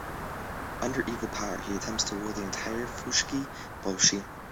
Under evil power, he attempts to rule the entire Fushigi-boshi.